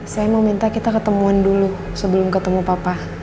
saya mau minta kita ketemuan dulu sebelum ketemu papa